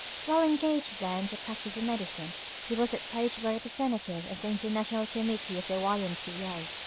While engaged there in the practice of medicine he was approached by a representative of the International Committee of the Y. M. C. A.